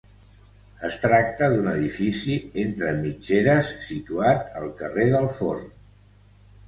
Es tracta d'un edifici entre mitgeres situat al carrer del Forn.